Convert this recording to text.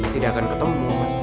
tidak akan ketemu